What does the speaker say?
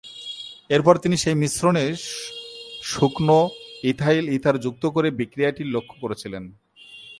এরপর তিনি সেই মিশ্রণে শুকনো ইথাইল ইথার যুক্ত করে বিক্রিয়াটি লক্ষ্য করেছিলেন।